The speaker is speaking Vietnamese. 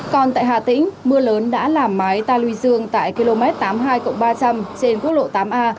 còn tại hà tĩnh mưa lớn đã làm mái ta lưu dương tại km tám mươi hai ba trăm linh trên quốc lộ tám a